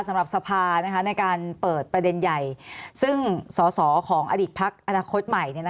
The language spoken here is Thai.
สำหรับสภาในการเปิดประเด็นใหญ่ซึ่งสอสอของอดีตพักอนาคตใหม่